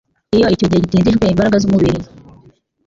Iyo icyo gihe gitindijwe, imbaraga z’umubiri